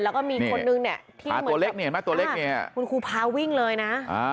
แล้วก็มีคนนึงเนี่ยคุณครูพาวิ่งเลยนะ